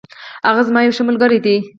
هغه زما یو ښه ملگری دی.